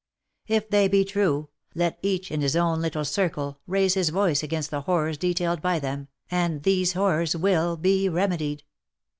If they be true, let each in his own little circle, raise his voice against the horrors detailed by them, and these horrors will be remedied.